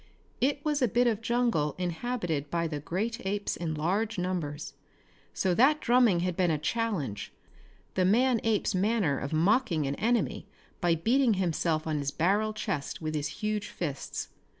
It was a bit of jungle inhabited by the great apes in large numbers. So, that drumming had been a challenge, the man ape's manner of mocking an enemy by beating himself on his barrel chest with his huge fists.